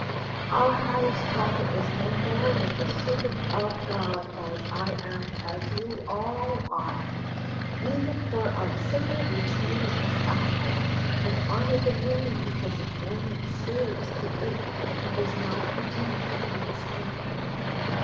Our highest prophet is no more than the servant of God, as I am, as you all are. Even for our s)rmbol we choose a satellite, and honour the Moon because it only serves the Earth, and does not pretend to be the Sun."